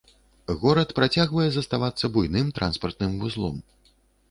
Горад працягвае заставацца буйным транспартным вузлом.